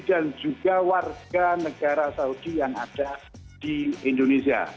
dan juga warga negara saudi yang ada di indonesia